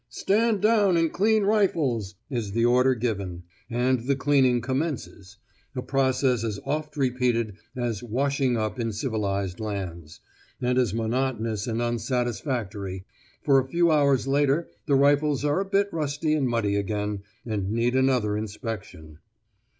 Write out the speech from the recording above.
30 'Stand down and clean rifles' is the order given; and the cleaning commences a process as oft repeated as 'washing up' in civilised lands, and as monotonous and unsatisfactory, for a few hours later the rifles are a bit rusty and muddy again, and need another inspection.